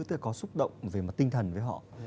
tức là có xúc động về mặt tinh thần với họ